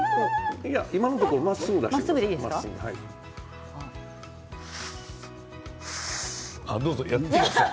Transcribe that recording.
今のところ、まっすぐ出してください。